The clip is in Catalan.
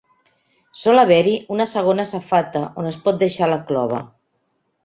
Sol haver-hi una segona safata on es pot deixar la clova.